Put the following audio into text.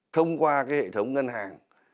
thông qua cái hệ thống ngân hàng